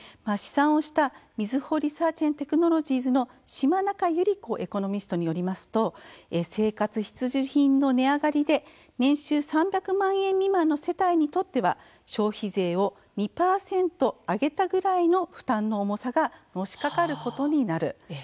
試算をしたみずほリサーチ＆テクノロジーズの嶋中由理子エコノミストによりますと生活必需品の値上がりで年収３００万円未満の世帯にとっては消費税を２％上げたぐらいの負担の重さがのしかかることになる。